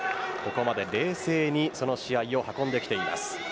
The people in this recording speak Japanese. ここまで冷静にその試合を運んできています。